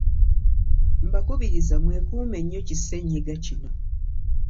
Mbakubiriza mwekume nnyo kisenyiga kino.